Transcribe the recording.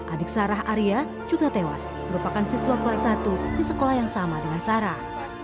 adik sarah arya juga tewas merupakan siswa kelas satu di sekolah yang sama dengan sarah